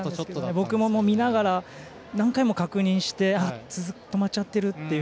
僕も見ながら何回も確認して止まっちゃってるという。